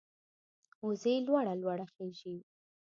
وزې لوړه لوړه خېژي